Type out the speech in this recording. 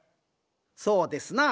そうですな。